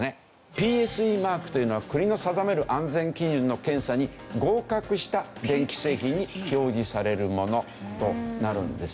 ＰＳＥマークというのは国の定める安全基準の検査に合格した電気製品に表示されるものとなるんですね。